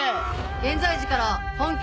現在時から本件